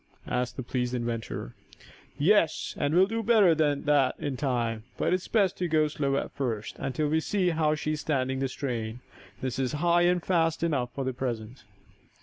asked the pleased inventor. "Yes. And we'll do better than that in time, but it's best to go slow at first, until we see how she is standing the strain. This is high and fast enough for the present."